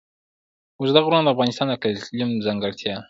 اوږده غرونه د افغانستان د اقلیم ځانګړتیا ده.